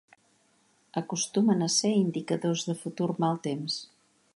Acostumen a ser indicadors de futur mal temps.